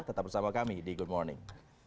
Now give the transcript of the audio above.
tetap bersama kami di good morning